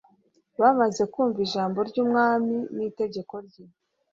bamaze kumva ijambo ry umwami n itegeko rye